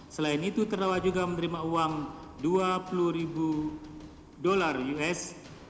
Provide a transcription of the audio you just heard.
selain itu terdakwa juga menerima uang dua puluh ribu dolar us